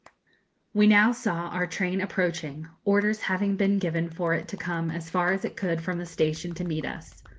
We now saw our train approaching, orders having been given for it to come as far as it could from the station to meet us.